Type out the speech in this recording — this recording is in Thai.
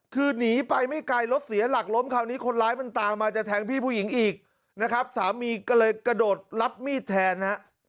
คือหนีไปไม่ไกลรถเสียหลักล้มคราวนี้คนร้ายมันตามมาจะแทงพี่ผู้หญิงอีกนะครับสามีก็เลยกระโดดรับมีดแทนฮะ